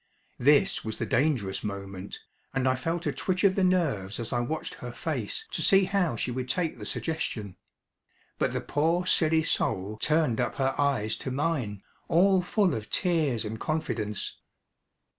This was the dangerous moment, and I felt a twitch of the nerves as I watched her face to see how she would take the suggestion. But the poor silly soul turned up her eyes to mine, all full of tears and confidence.